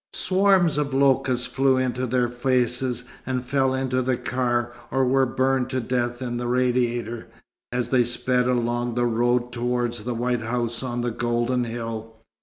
Swarms of locusts flew into their faces, and fell into the car, or were burned to death in the radiator, as they sped along the road towards the white house on the golden hill.